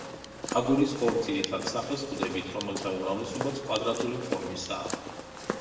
აგურის ორ ძირითად სახეს ვხვდებით, რომელთა უმრავლესობაც კვადრატული ფორმისაა.